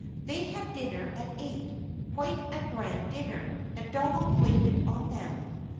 They had dinner at eight quite a grand dinner, and Donald waited on them.